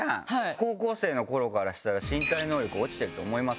高校生の頃からしたら身体能力落ちてると思います？